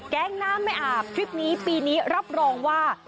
แก๊งน้ำไม่อาบทริปนี้ปีนี้รับรองว่า